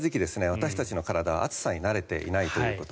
私の体は暑さに慣れていないということ。